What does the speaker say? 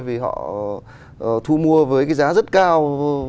vì họ thu mua với cái giá rất cao